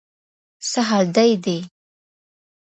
څه حال دې دی؟